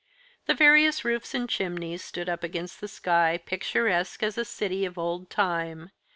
The various roofs and chimneys stood up against the sky, picturesque as a city of old time.